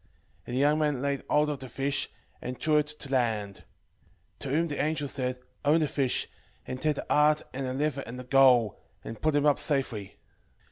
And the young man laid hold of the fish, and drew it to land. 6:4 To whom the angel said, Open the fish, and take the heart and the liver and the gall, and put them up safely.